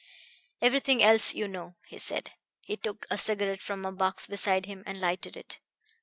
"Everything else you know," he said. He took a cigarette from a box beside him and lighted it.